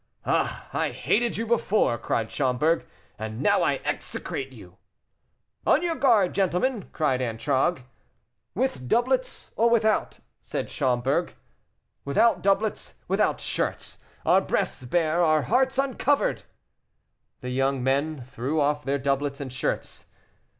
"Ah! I hated you before," cried Schomberg, "and now I execrate you!" "On your guard, gentlemen!" cried Antragues. "With doublets or without?" said Schomberg. "Without doublets, without shirts; our breasts bare, our hearts uncovered!" The young men threw off their doublets and shirts.